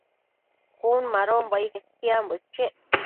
Cun madonbo ai quetianbo iquec